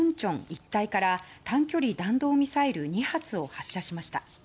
一帯から短距離弾道ミサイル２発を発射しました。